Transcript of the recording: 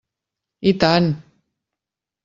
I tant!